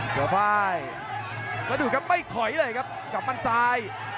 สวัสดีครับไม่ถอยเลยครับกับมันซาย